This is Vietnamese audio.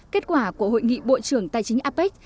kết quả của hội nghị bộ trưởng tài chính apec